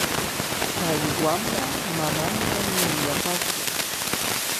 Chay wamra mamantami llullapashqa.